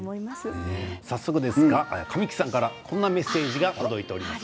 早速ですが神木さんからこんなメッセージが届いておりますよ。